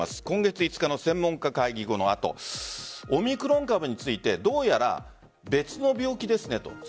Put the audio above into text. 今月５日の専門家会議の後オミクロン株についてどうやら別の病気ですねと。